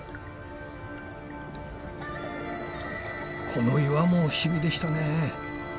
この岩も不思議でしたね。